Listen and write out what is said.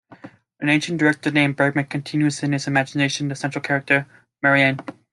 An aging director named Bergman conjures in his imagination the central character, Marianne.